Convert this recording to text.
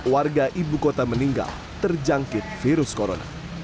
tujuh puluh empat warga ibu kota meninggal terjangkit virus corona